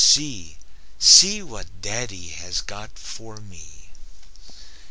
See what daddy has got for me!"